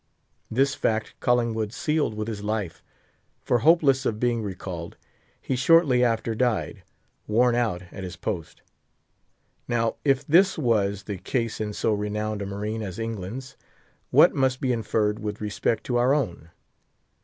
This fact Collingwood sealed with his life; for, hopeless of being recalled, he shortly after died, worn out, at his post. Now, if this was the case in so renowned a marine as England's, what must be inferred with respect to our own?